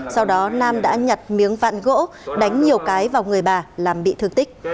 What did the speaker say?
sau đó nam đã nhặt miếng vạn gỗ đánh nhiều cái vào người bà làm bị thương tích